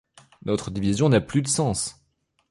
Notre division n'a plus de sens.